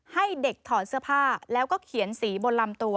ให้เด็กถอดเสื้อผ้าแล้วก็เขียนสีบนลำตัว